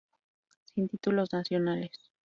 Sin títulos nacionales.